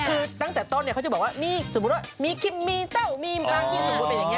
คือตั้งแต่ต้นเนี่ยเขาจะบอกว่ามีสมมุติว่ามีคิมมีเต้ามีบางที่สมมุติเป็นอย่างนี้